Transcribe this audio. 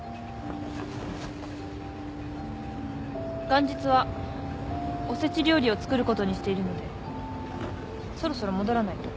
元日はお節料理を作ることにしているのでそろそろ戻らないと。